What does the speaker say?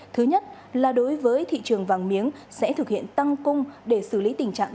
thứ nhất là đối với thị trường vàng miếng sẽ thực hiện tăng cung để xử lý tình trạng